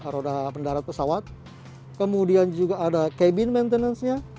roda pendarat pesawat kemudian juga ada kabin maintenance nya